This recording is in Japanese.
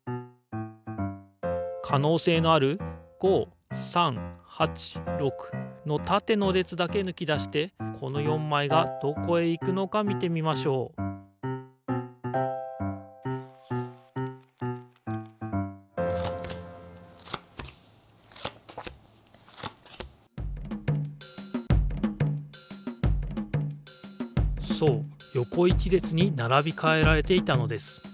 かのうせいのある５３８６のたての列だけぬき出してこの４枚がどこへ行くのか見てみましょうそうよこ１列にならびかえられていたのです。